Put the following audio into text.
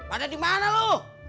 ada di mana lu